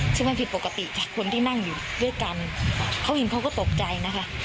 ซึ่งมันผิดปกติจากคนที่นั่งอยู่ด้วยกันเขาเห็นเขาก็ตกใจนะคะ